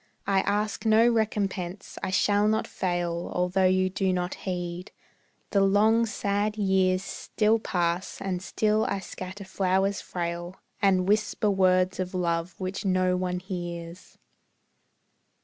I ask no recompense, I shall not fail Although you do not heed; the long, sad years Still pass, and still I scatter flowers frail, And whisper words of love which no one hears.